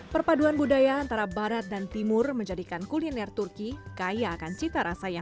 perpaduan budaya antara barat dan timur menjadikan kuliner turki kaya akan semakin banyak